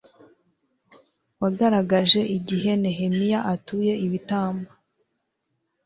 wigaragaje igihe nehemiya atuye ibitambo